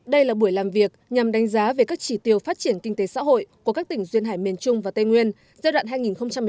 đây là buổi làm việc nhằm đánh giá về các chỉ tiêu phát triển kinh tế xã hội của các tỉnh duyên hải miền trung và tây nguyên giai đoạn hai nghìn một mươi sáu hai nghìn hai mươi